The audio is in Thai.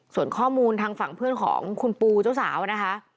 ส่วนข้อมูลทางฝั่งเพื่อนของคุณปูเจ้าสาวนะคะ